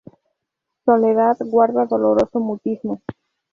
Soledad guarda doloroso mutismo.